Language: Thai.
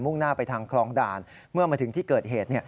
่งหน้าไปทางคลองด่านเมื่อมาถึงที่เกิดเหตุ